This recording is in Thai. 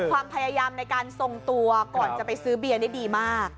ความพยายามในการทรงตัวก่อนจะไปซื้อเบียร์นี่ดีมาก